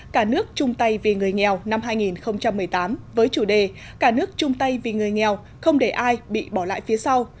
cả nước chung tay vì người nghèo năm hai nghìn một mươi tám với chủ đề cả nước chung tay vì người nghèo không để ai bị bỏ lại phía sau